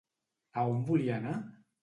A on volia anar?